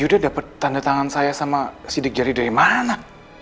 sudah dapat tanda tangan saya sama sidik jari dari mana